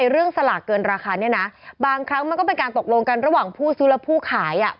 เรื่องสลากเกินราคาเนี่ยนะบางครั้งมันก็เป็นการตกลงกันระหว่างผู้ซื้อและผู้ขายอ่ะ